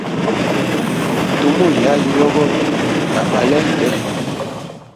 Tumulya ayi yogolwa na balenge?